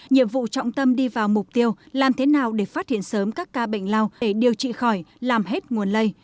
nhiệm vụ trọng tâm đi vào mục tiêu làm thế nào để phát hiện sớm các ca bệnh lao để điều trị khỏi làm hết nguồn lây